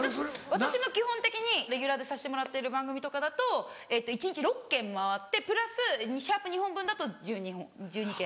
私も基本的にレギュラーでさせてもらってる番組とかだと一日６軒回ってプラスシャープ２本分だと１２軒。